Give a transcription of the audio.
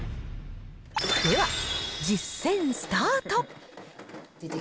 では、実践スタート。